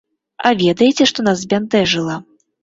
А ведаеце, што нас збянтэжыла?